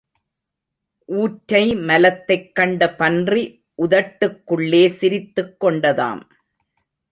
ஊற்றை மலத்தைக் கண்ட பன்றி உதட்டுக்குள்ளே சிரித்துக் கொண்டதாம்.